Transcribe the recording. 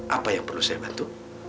apa yang perlu saya bantu